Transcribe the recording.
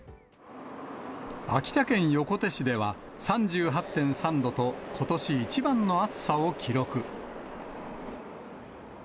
秋田県横手市では３８．３度と、ことし一番の暑さを記録。